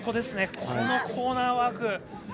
このコーナーワーク。